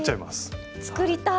作りたい！